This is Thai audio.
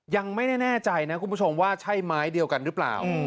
ยังไม่แน่ใจนะคุณผู้ชมว่าใช่ไม้เดียวกันหรือเปล่า